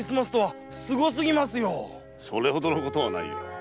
それほどのことはないよ。